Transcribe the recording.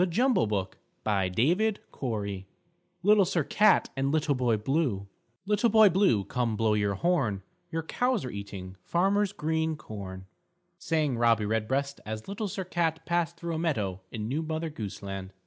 LITTLE SIR CAT Little Sir Cat and Little Boy Blue "Little Boy Blue, Come blow your horn, Your cows are eating Farmer Green's corn," sang Robbie Redbreast as Little Sir Cat passed through a meadow in new Mother Goose Land.